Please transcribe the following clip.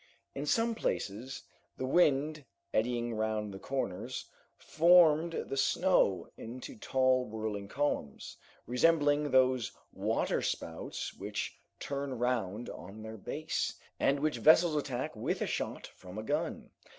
In some places, the wind, eddying round the corners, formed the snow into tall whirling columns, resembling those waterspouts which turn round on their base, and which vessels attack with a shot from a gun.